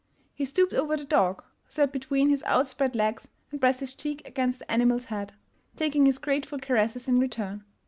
" He stooped over the dog, who sat between his outspread legs, and pressed his cheek against the animal's head, talri. Bg his grateful caresses in return.